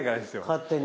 勝手に。